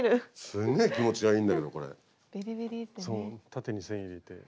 縦に線入れて。